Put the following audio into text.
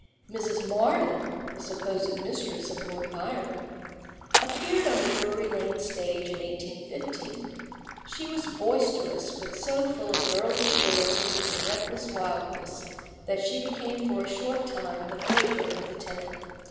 Mrs. Mardyn (the supposed mistress of Lord Byron) appeared on the Drury Lane stage in 1815. She was boisterous, but so full of girlish gaiety and reckless wildness that she became for a short time the favourite of the town.